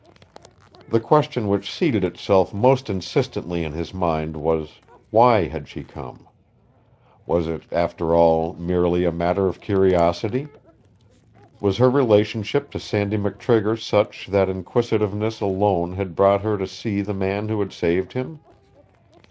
The question which seated itself most insistently in his mind was, why had she come? Was it, after all, merely a matter of curiosity? Was her relationship to Sandy McTrigger such that inquisitiveness alone had brought her to see the man who had saved him?